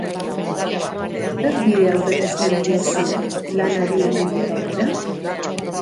Zer bide aurreikusten diozu lanari hemendik aurrera?